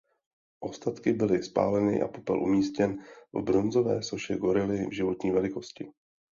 Ostatky byly spáleny a popel umístěn v bronzové soše gorily v životní velikosti.